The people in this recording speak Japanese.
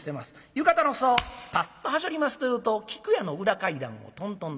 浴衣の裾をパッとはしょりますというと菊屋の裏階段をトントントン。